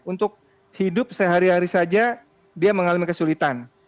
untuk hidup sehari hari saja dia mengalami kesulitan